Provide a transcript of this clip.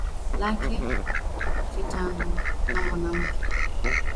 lake kitanda na mwanamke Mwanamke anaamua mwenyewe kama atajiunga na mtu huyo Mtoto yeyote